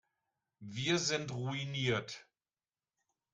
Wir sind ruiniert.